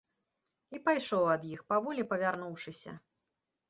І пайшоў ад іх, паволі павярнуўшыся.